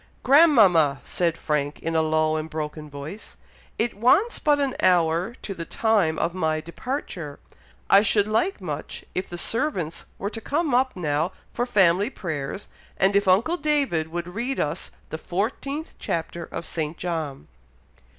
"Grandmama!" said Frank, in a low and broken voice, "it wants but an hour to the time of my departure; I should like much if the servants were to come up now for family prayers and if uncle David would read us the 14th chapter of St. John."